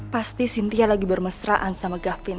pasti cynthia lagi bermesraan sama gavin